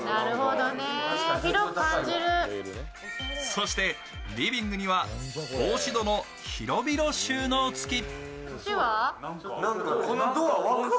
そして、リビングには格子戸の広々収納付き。